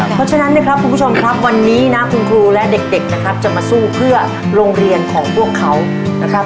เพราะฉะนั้นนะครับคุณผู้ชมครับวันนี้นะคุณครูและเด็กนะครับจะมาสู้เพื่อโรงเรียนของพวกเขานะครับ